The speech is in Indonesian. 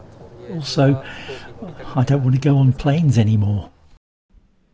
juga saya tidak ingin pergi ke perangkap lagi